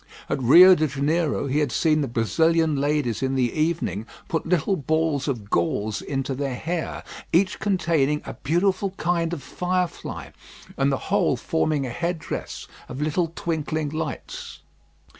At Rio de Janeiro, he had seen the Brazilian ladies in the evening put little balls of gauze into their hair, each containing a beautiful kind of firefly; and the whole forming a head dress of little twinkling lights.